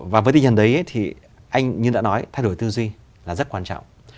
và với tình hình đấy thì anh như đã nói thay đổi tư duy là rất quan trọng